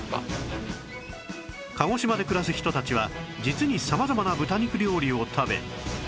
鹿児島で暮らす人たちは実に様々な豚肉料理を食べ